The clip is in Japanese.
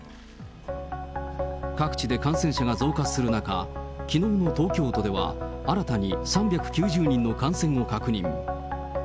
各地で感染者が増加する中、きのうの東京都では新たに３９０人の感染を確認。